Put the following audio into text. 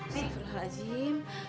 siapa lah rajim